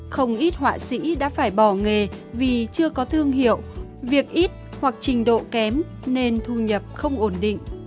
không ít họa sĩ đã phải bỏ nghề vì chưa có thương hiệu việc ít hoặc trình độ kém nên thu nhập không ổn định